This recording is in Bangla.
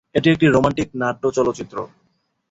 এটি একটি রোমান্টিক নাট্য চলচ্চিত্র।